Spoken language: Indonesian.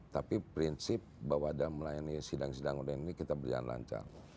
tapi prinsip bahwa dalam melayani sidang sidang online ini kita berjalan lancar